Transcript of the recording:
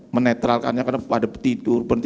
menetralkannya karena pada tidur berhenti